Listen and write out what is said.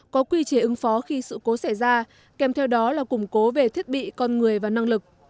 có quy chế ứng phó khi sự cố xảy ra kèm theo đó là củng cố về thiết bị con người và năng lực